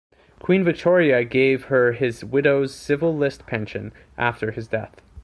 Queen Victoria gave her his widow's civil list pension after his death.